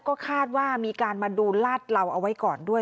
ก็คาดว่ามีการมาดูลาดเหล่าเอาไว้ก่อนด้วย